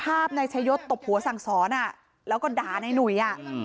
ภาพในชายศตร์ตบหัวสั่งสอนแล้วก็ด่าในหนุ๋ย